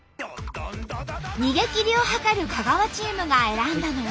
逃げきりを図る香川チームが選んだのは。